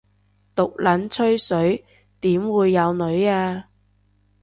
毒撚吹水點會有女吖